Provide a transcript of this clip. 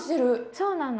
そうなの。